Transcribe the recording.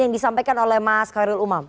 yang disampaikan oleh mas khairul umam